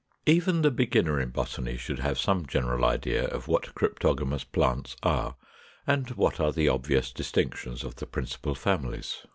481. Even the beginner in botany should have some general idea of what cryptogamous plants are, and what are the obvious distinctions of the principal families.